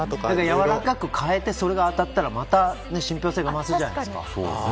やわらかく変えてそれが当たったらまた信憑性が増すじゃないですか。